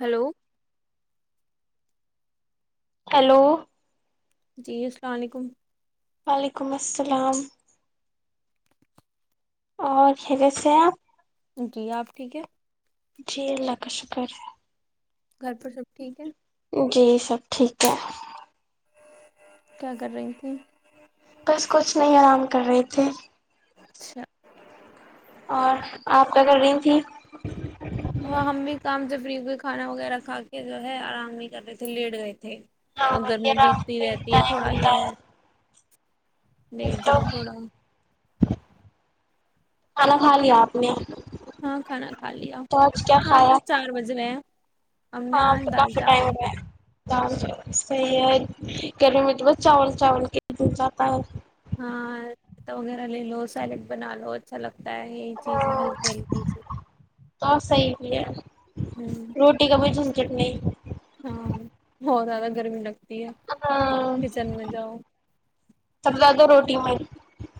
hello hello جی السلام علیکم و علیکم السلام اور خیریت سے ہے آپ جی آپ ٹھیک ہے جی اللہ شکر ہے گھر پر سب ٹھیک ہے جی سب ٹھیک ہاں کیا کررہی تھی بس کچھ نہیں آرام کر رہے تھے اچھا اور آپ کیا کر رہی تھی وہ ہم بھی کام سے فری ہوئے کھانا وغیرہ کھا کے جو ہے آرام بھی کرتے تھے لیٹ گئے تھے ہاں اب گرمی رام بیتتی پہ رہتی ہے ٹائم تھوڑا یہ بتایا ہے لیٹ تو جاؤ تھوڑا کھانا کھا لیا آپ نے ہاں کھانا کھا لیا تو آج کیا ہاں آپ تو کھایا چار بج گئے ہیں ہم نے ہاں تو آج دال کافی ٹائم چاول رہ ہے صحیح ہے گھر مطلبہ چاول چاول کے دل جاتا ہے ہاں وغیرہ لے لو سیلڈ بنا لو اچھا لگتا یہ چیز ہلکی ہلکی تو صحیح بھی ہے ہوں روٹی کا بھی چٹنی ہاں بہت زیادہ گرمی لگ ہاں سب ا [unintelligible]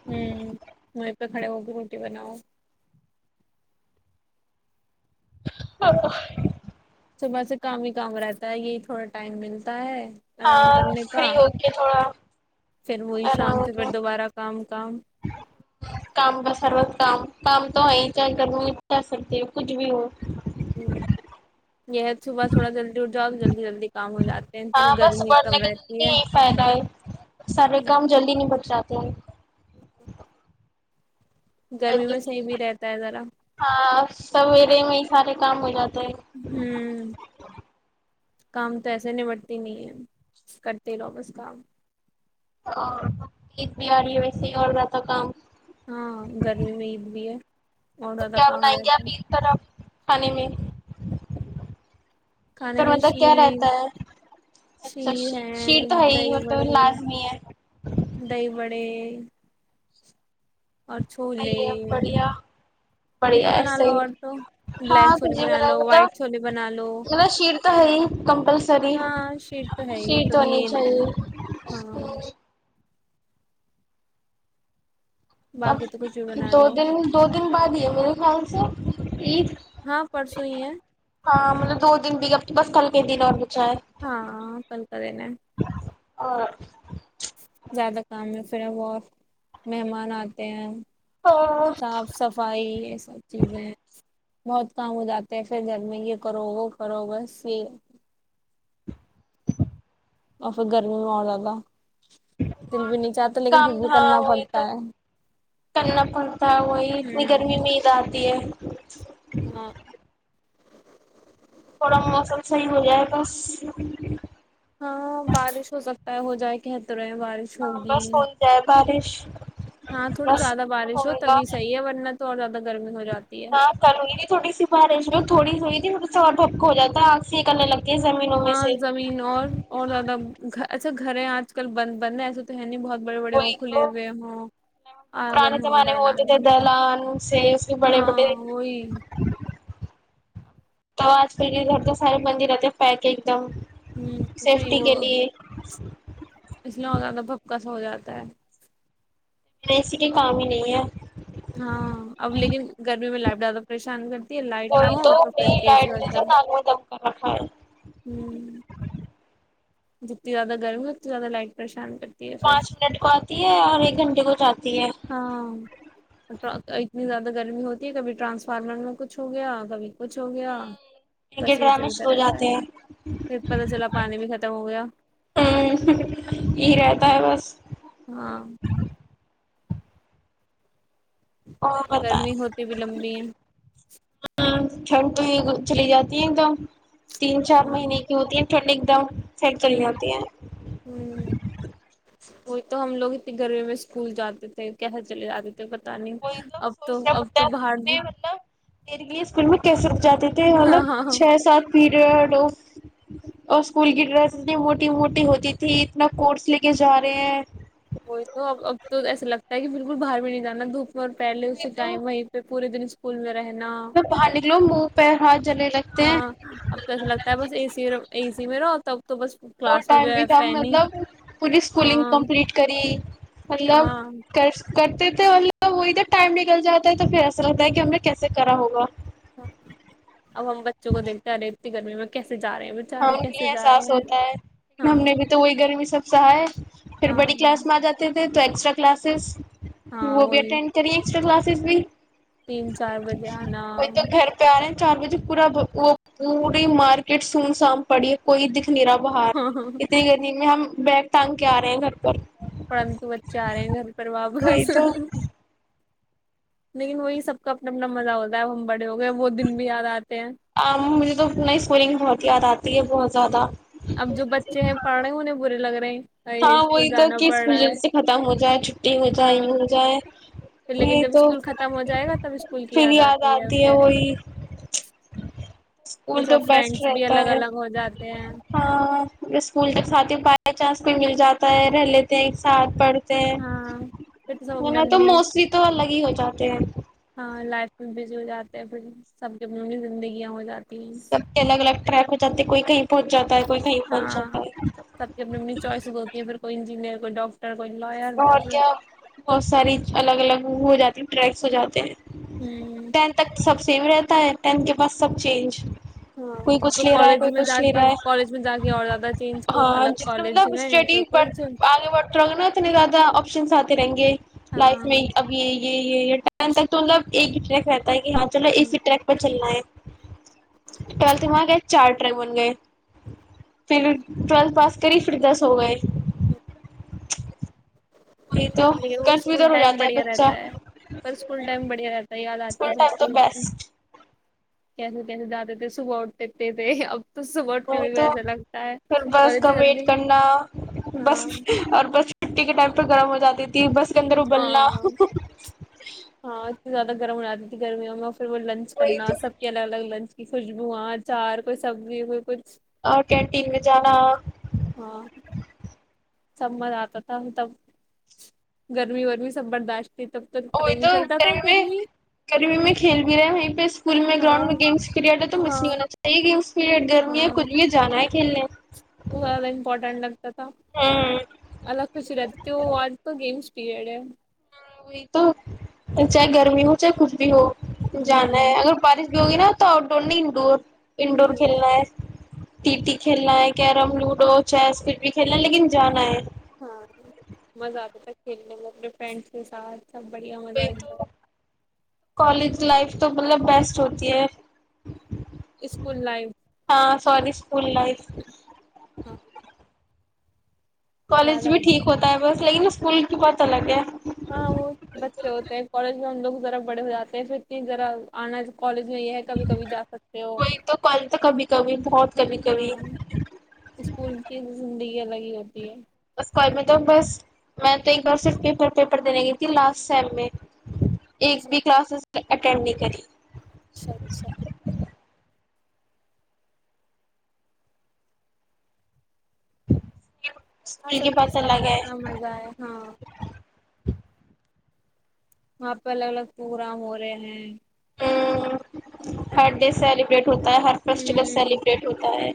ہمم وہیں پہ کھڑے ہو بھی روٹی بناؤ ہاں صبح سے کام ہی کام رہتا ہے یہی تھوڑا ٹائم ملتا ہے آرام ہاں کرنے کا فری ہو کے تھوڑا پھر وہی آرام شام سے پھر ہوتا دوبارہ کام کام کام کا سروت کام کام تو ہے ہی چاہے گم جا سکتی ہو کچھ بھی ہو یہ صبح تھوڑا جلدی اٹھ جاؤ جلدی جلدی کام ہو جاتے ہاں ہیں بس گرمی بڑھنے کم کا رہتی زندگی ہے یہی فائدہ ہے ت [unintelligible] گرمی میں صحیح بھی رہتا ہے ذرا ہاں سویرے میں سارے کام ہو جاتا ہوں کام تو ایسے نمٹتی نہیں ہے کرتے لو بس کام ایک بھی آ رہی ہے ویسے ہی اور بات کام ہاں گرمی میں عید بھی ہے اور تو زیادہ کیا کام بنائیں گے آ رہتا ہے اپیل پر اب پانی میں عید کھانے پر میں مطلب کیا شیر رہتا ہے اچھا شیر شیر ہے تو ہی دہی مطلب بڑے لازمی ہے دہی بڑے اور چھوولے صحیح ہے بڑھیا بڑھیا چولے بنا ایسے لو ہی اور تو بلیک ہاں تو چھولے جی بنا میرا لو مطلب وائٹ چھولے بنا لو مطلب شیر تو ہے ہی کمپلسری ہاں شیٹ تو ہے ہی وہ شیر تو ہونی مین ہے چاہیے ہاں اب باقی تو کچھ بھی بنا دو لو دن دو دن بعد ہی ہے میرے خیال سے ایکید ہاں پرسوں ہی ہے ہاں مطلب دو دن بھی گ بس کل کے دن اور بچا ہے ہاں فنک دین اور زیادہ کام میں پھر بہت مہمان آتے ہیں تو صاف صفائی یہ سب چیزیں بہت کام ہو جاتے ہیں پھر گھر میں یہ کرو گ وہ کرو گا پھر اور پھر گرمی میں بہت زیادہ دل بھی نہیں چاہتا لیکن کام پھر بھی نہا کرنا ہوئی تو پڑتا ہے کرنا پن تھا ہوئی ہوں گرمی میں رہا پ ہاں تھوڑا موسم صحیح ہو جائے بس ہاں بارش ہو سکتی ہو جائے کہ ہاں بس ہو جائے بارش ہاں تھوڑی بس زیادہ بارش ہو ہوگا تبھی صحیح ہے ورنہ تو اور زیادہ گرمی ہو جاتی ہے ہاں کل ہوئی تھی تھوڑی سی بارش جو تھوڑی س ہوئی تھی م پپک ہو جات ہے آگ سے یہ کرنے لگتا ہاں زمین اور اور زیادہ ای گھریں آج کل بند بند ہے ایسا تو ہے نہیں بہت بڑے بڑے ہو وہی کھلے تو ہوئے ہوں آنگن ہو دالال ہو سیف بھی بڑے بڑے تو آج کل کے ادھر کا سارے مندر آتے پیک ایک دم ہوں صحیح سیفٹی وہ کے لیے اس لیے ہو زیادہ پھپکس ہو جاتا ہے ل اسسی کے کام ہی نہیں ہے ہاں اب لیکن گرمی میں لائٹ زیادہ پریشان کرتی ہے لائٹ نہ کوئی ہو تو بھی پھر اے سی لائٹ و نے تو ناک میں دم کر رکھا ہے ہ جتنی زیاد گرمی اتتی زیاد لائگ پ شان پانچ منٹ کو آتی ہے اور ایک گھنٹے کو جاتی ہے ہاں اتنی زیادہ گرمی ہوتی ہے کبھی ٹرانسفارمر میں کچھ ہو گیا کبھی کچھ ہو گیا ان کے بس یہی ڈرامے چلتا شروع ہو رہتا جاتے ہے ہیں پھر پتا چلا پانی بھی ختم ہو گیا ہمم یہی رہتا ہے بس ہاں وہ بت گرمی ہوتی بھی لمبی ہے چھنٹو ہی چلی جاتی ہیں ایک دم تین چار ہاں مہینے کی ہوتی ہیں ھنڈ ایک دم سیک چلی ہوں ہوتی ہیں وہ تو ہم لوگ اتنی گرمی میں اسکول جاتے تھے کیسے چلے جاتے تھے پتا نہیں وہی تو اب سوچنا اب پڑتا تو باہر اتنے بھی مطلب میرے لیے اسکول میں کیسے رک جاتے تھے مطلب ہاں ہاں ہاں چھ سات پیریڈ اور اسکول کی ڈریس اتنی موٹی موٹی ہوتی تھی اتنا کورس لے کے جا رہے ہیں وہی تو اب تو ایسا لگتا ہے کہ بالکل باہر بھی نہیں جانا دھوپ اور پہلے اسی تو ٹائم وہیں پہ پورے دن اسکول میں رہ باہر نکلو منہ پہ ہاں ہاں اب تو ایسا لگتا ہے بس اے سی اے سی میں رہو تب تو بس وہ کلاس میں ٹائم جو بھی ہے ٹائم فین ہی مطلب پوری اسکولنگ ہاں کمپلیٹ کری مطلب ہاں کر کرتے تھے وہ ادھر ٹائم نکل جاتا ہے تو پھر ایسا لگتا ہے کہ ہم نے کیسے کرا ہوگا اب ہم بچوں کو دیکھتے ہیں ارے گرمی میں جا رہے ہیں ہاں بچارے ان کے کیسے لیے جا احساس رہے ہیں ہوتا ہے لیکن ہاں ہم نے بھی تو وہی گرمی سب سہائے پھر بڑی کلاس ہاں میں آ جاتے ہیں تو ایکسٹرا کلاسز ہاں وہ بھی وہی اٹینڈ کری ایکسٹرا کلاس صفی تین چار بجے آنا گھر پہ آ رہے ہیں چار بجے پورا وہ پوری مارکیٹ سے سن سام پڑی ہے کوئی دکھ را ہاں بہارت ہم بیک ٹانگ کے آ رہے ہیں گھر پر پرنتو بچے آ رہے ہیں گھر پر وہی واپس تو لیکن وہی سب کا اپنا اپنا مزہ ہوتا ہے اب ہم بڑے ہو گئے وہ دن بھی یاد آتے ہیں مجھے تو نئی اسورنگ بہت یاد آتی تی ہے بہت زیادہ اب جو بچے ہیں پڑھے ہونے برے لگ رہے ہیں ارے ہاں وہی اسکول تو جانا کہ پڑ اسکول ج رہا ہے سے ختم ہو جائے چھٹی ہو جائے یہ ہاں ہو جائے یہ تو سب اسکول کی یاد آتی ہے پھر اسکول پھر تو سب بیسٹ فرینڈس بھی رہتا الگ ہے الگ ہو جاتے ہیں اسکول ج ساتھی پائے چاس پہ مل جاتا ہے رہ لیتے ہیں ایک ساتھ بڑھ ہاں پھر تو سب اپنے ا تو اپنی موسی تو الگ ہی ہو جاتے ہیں ہاں لائف میں بزی ہو جاتے ہیں پھر سب کےنی زندگیاں ہو جاتی ہیں سب کے الگ الگ ٹریک ہو جاتے ہے کوئی کہیں پہنچ جاتا ہے کوئی کہیں پہنچ جاتا ہاں سب کی اپنی اپنی ہے چوائسیز ہوتی ہیں پھر کوئی انجینئر ڈاکٹر کوئی لائر تو اور پھر کیا بہت ساری الگ الگ ہو جاتی ٹریک سے ہو جاتے ہیں ہوں ٹین تک سب سے سیو رہتا ہے ٹین کے پاس سب چینج ہاں کچھ کوئی لے رہا ہے کالج میں کچھ جا لے کے رہا ہے کالج میں جا کے اور زیادہ چینج کو ہاں الگ جتنا کالج مطلب میں کوئی اسٹڈی بڑ کچھ آگے بڑھتے رہو گے نا اتنے زیادہ آپشنس آتے رہیں گے لائف ہاں میں اب یہ یہ یہ ر تک تو مطلب ایک کہ ہاں چلو اسی ٹریک پر چلنا ہے ٹویلتھ میں آ گئے چار ٹرک بن گئے پھر ٹویلتھ پاس کری پھر دس ہو گئے ہ وہی تو نہیں وہ اسکول کنفیوزن ہو ٹائم جاتا ہے بڑھیا بچہ رہتا ہے پر اسکول ٹائم بڑھیا رہتا ہے یاد آتی ہے پ ٹائم تو اسکول بیسٹ کیسے کیسے جاتے تھے صبح اٹھتےکتے تھے اب تو صبح وہ اٹھنے میں بھی تو ایسا لگتا ہے پھر اور بس کا اتنی ویٹ جلدی کرنا بس ہاں اور بس مھٹی کے ٹائمہ گرم ہو جات تے ت بس گندر ابلنا ہاں ہاں اتنی زیادہ گرم ہو جی تھی گرمی میں پھر وہ لنچ وہی کرنا تو سب کی الگ الگ لنچ خوشبو اچار کوئی سبزی کوئی کچھ اور کینٹین میں جانا ہاں سب مزہ آتا تھا تب گرمی ورمی سب برداشت تھی تب پتہ وہی ہی تو نہیں چلتا تھا کرب میں گرمی کربی میں کھیل بھی رہا وہیں پہ اسکول میں گراؤنڈ میں ہاں گیمس کرڈ تو ہاں مس نہیں ہونا چاہیے گیمس پی گرمییاں کچھ بھی جانا ہے ک لے بہت زیادہ امپورٹینٹ لگتا تھا ہوں الگ خوشی رہتی تھی وہ آج تو گیمس پیڑ وہی تو چاہے گرمی ہو چاہے کچھ بھی ہو جانا ہے ہمم اگر بارش گی نا تو آؤٹ ڈور نہیں انڈور انڈورور ہمم کھیلنا ہے ٹی ٹی کھیلنا ہے کیرم لوڈو چیس کچھ بھی کھیلنا ہے لیکن جانا ہے ہاں مزہ آتا تھا کھیلنے میں اپنے فرینڈس کے ساتھ سب بڑھیا مزہ ایک تو بار کالج لائف تو مطلب بیسٹ ہوتی ہے اسکول لائف ہاں ساری اسکول لائف ہاں یاد کالج بھی آتی ٹھیک ہوتا ہے بس لیکن اس فل کی پت لگے ہاں وہ بچے ہوتے ہیں کالج میں ہم لوگ ذرا بڑے ہو جے ہیں پھر کہذرا آنا کالج ہے کبھی کبھی جا سکتے ہو وہی تو کالج تو کبھی کبھی بہت کبھی کبھی ہاں اسکول کی زڈی لگی ہوتی ہے اس کال میں تو بس میں تو ایک بار صرف پیپر پیپر دینے گئی تھی لاسٹ سیم میں ایک اچھا بھی کلاسز اٹینڈ نہیں کری اچھا اچھا ج ہ سکتی اس کا اپنا اپنا مزہ ہےئے ہاں وہاں پہ الگ الگ پروگرام ہو رہے ہیں ہ بر ڈے سیلیبریٹ ہوتا ہے ہر فیسٹیول ہوں سیلیبریٹ ہوتا ہے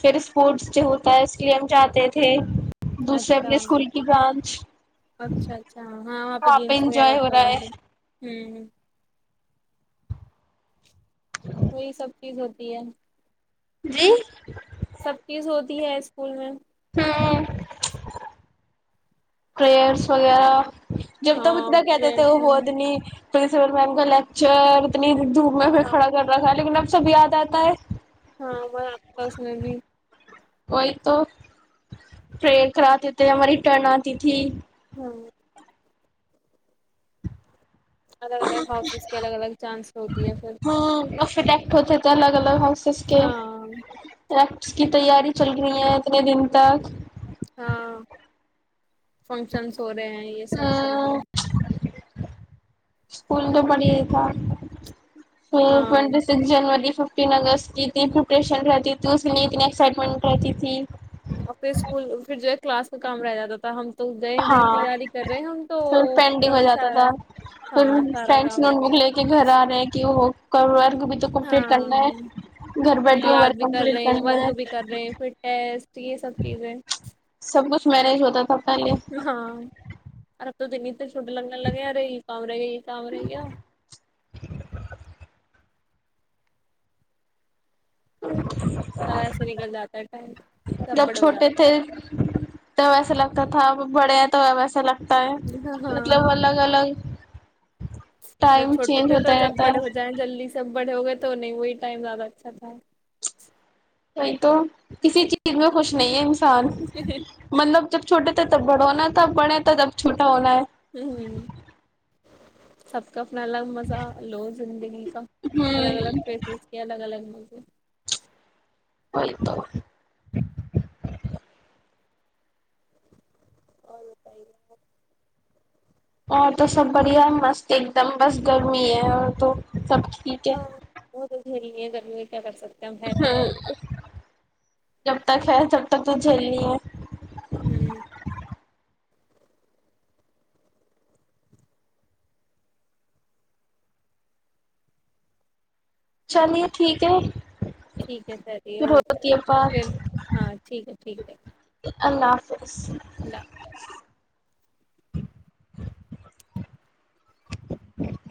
پھر اسپورٹس ڈے ہوتا ہے اس لیے ہم جاتے تھے دوسرے اچھا اپنے اسکول کی برانچ اچھا اچھا ہاں وہاں پہ گیمس وغیرہ انجوائے ہو ہوتا رہا ہوںے ہے ہ ہ وہی سب چیز ہوتی ہے جی سب چیز ہوتی ہے اسکول میں تین پریئرس وغیرہ جب ہاں تبتنا کہتے تھے وہ فرینڈس میں ہوود نہیں تو س میم کا لیکچر نہیں د میں پ ہاں کھڑ کر رہا ہے لیکن اب سب یاد آتا ہے ہاں وہ آس پاس میں بھی وہی تو پریر کراتے تھے ہماری ٹرن آتی تھی ہاں الگ الگ ہاؤسز کے الگ الگ چانس ہوتی ہے پھر یکٹ ہو الگ الگاؤ ہاں رٹس کی تیاری چل رہی ہیں اتنے دن تک ہاں فنکشن سو رہے ہیں یہ سب چز ہاں ہیں اسکول تو پڑھیے تھا ہاں ٹوینٹی سکس جنوری ففٹین اگست کی اتنی پرپریشن رہتی تھی اس لیے اتنی ایکسائٹمنٹ رہتی تھی آ اسکول پھر ج کلاس میں کام رہ جاتا تھا ہم تو گئے بھائی ہاں تیاری کر رہے ہیں ہم تو پھر پینڈنگ ہو ہمارا جاتا سارا تھا پھر ہاں سارا فرینڈس کام نوٹ رہے بک گا لے کے گھر آ رہے ہیں کہ وہ کر ہاں پھر بیٹھے یاد ورک بھی کر کمپلیٹ رہے کرنا ہے ورک بھی کر رہے ہیں فھرس یہ سب چیزیں میرج ہوتا تھا پہلے ہاں تو ت شوٹ لگنے لگے ری کام رہے گ یہ کام رہے گیا اچ سب ایسے نکل جاتا ہے ٹائم سب جب بڑے ہو چھوٹے جاتے ہیں تھے تو ایسا لگتا تھا تھا بڑیا تو ویسے الگ تا ہے ہاں مطلب الگ الگ جب ٹائم چھوٹے چینج تھے تو ہوتا جب رہتا ہے بڑے ہو جائیں جلدی سب بڑے ہو گئے تو نہیں وہی ٹائم زیادہ اچھا تھا نہیں تو کسی چیز میں خوش نہیں ہے انسان مطلب جب چھوٹے تھے تب بڑ ہونا تھا بڑے تھا تب چھوٹا ہونا ہے ہ سف کا اپنا الگ مزہ لو زندگی کا الگ الگ ہوں فیس کے الگ الگ ہکی ولیکم ب اور بتائیے اور تو سب بڑھیا مست ایک دم بس گرمی ہے اور تو سب ٹھیک ہے ہاں نہیں ہے گمی میں کیا کر ستے ہاں جب تک ہے تب تک تو جھیلنی ہے ہوں چلیے ٹھیک ہے ٹھیک ہے سر یہ پھر اوکے ہوتی ہے پھر بات ہاں ٹھیک ہے ٹھیک ہے اللہ حفظ اللہ بس [unintelligible]